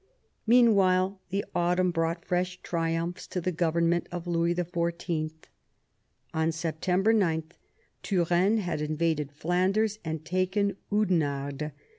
Meanwhile, the autumn brought fresh triumphs to the government of Louis XIV. On September 9 Turenne had invaded Flanders and taken Oudenarde.